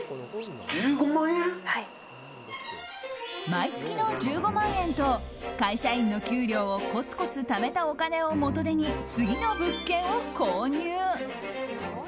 毎月の１５万円と会社員の給料をコツコツためたお金を元手に次の物件を購入。